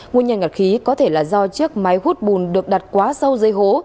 nguyên nhân ngạt khí có thể là do chiếc máy hút bùn được đặt quá sâu dây hố